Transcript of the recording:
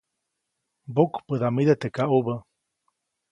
Mbokpäʼdamide teʼ kaʼubä.